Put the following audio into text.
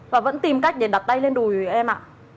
và vẫn tìm cách để đặt tay lên đùi em ạ